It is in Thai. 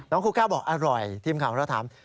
ครูก้าบอกอร่อยทีมข่าวเราถาม